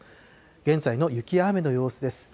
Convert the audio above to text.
現在の雪や雨の様子です。